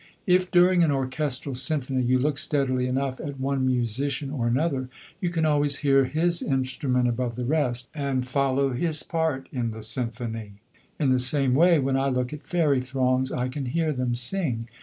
If during an orchestral symphony you look steadily enough at one musician or another you can always hear his instrument above the rest and follow his part in the symphony. In the same way when I look at fairy throngs I can hear them sing.